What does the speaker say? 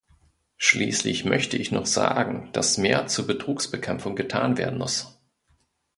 Schließlich möchte ich noch sagen, dass mehr zur Betrugsbekämpfung getan werden muss.